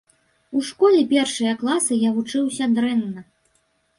У школе першыя класы я вучыўся дрэнна.